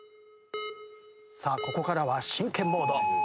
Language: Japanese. さあここからは真剣モード。